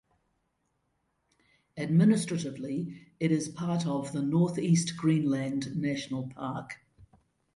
Administratively it is part of the Northeast Greenland National Park.